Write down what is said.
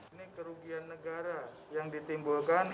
ini kerugian negara yang ditimbulkan